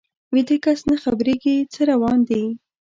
ویده کس نه خبریږي څه روان دي